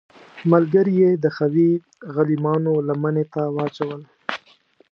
ملګري یې د قوي غلیمانو لمنې ته واچول.